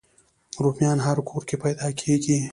رومیان هر کور کې پیدا کېږي